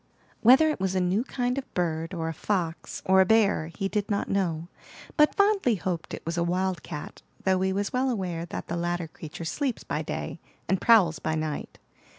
Whether it was a new kind of bird, or a fox, or a bear, he did not know, but fondly hoped it was a wildcat; though he was well aware that the latter creature sleeps by day, and prowls by night.